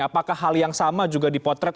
apakah hal yang sama juga dipotret